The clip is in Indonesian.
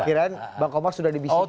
kira kira bang komar sudah dibisikin